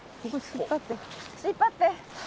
引っ張って。